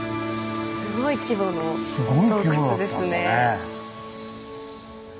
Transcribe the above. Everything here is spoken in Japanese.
すごい規模の洞窟ですね。